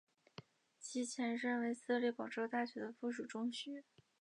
其前身为私立广州大学的附属中学。